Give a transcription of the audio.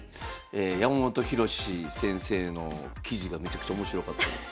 山本博志先生の記事がめちゃくちゃ面白かったです。